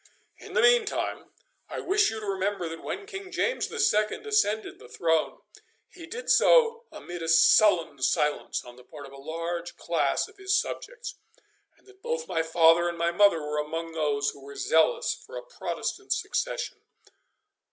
In the meantime, I wish you to remember that when King James II. ascended the throne he did so amid a sullen silence on the part of a large class of his subjects, and that both my father and my mother were among those who were zealous for a Protestant succession.